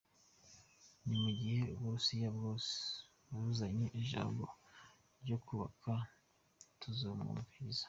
Mu gihe Uburusiya bwoza buzanye ijambo ryo kwubaka, tuzobumviriza.